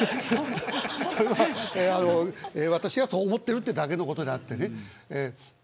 それは私はそう思ってるってだけのことであって。